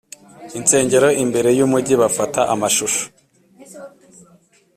insengero imbere yumugi bafata amashusho